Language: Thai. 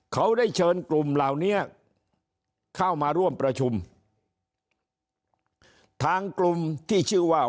เขาได้เชิญกลุ่มเหล่านี้เข้ามาร่วมประชุมทางกลุ่มที่ชื่อว่า